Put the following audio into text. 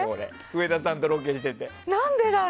上田さんがロケしてて。